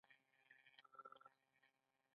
هغه انګلنډ یا لویه برېټانیا په نوم هېواد دی.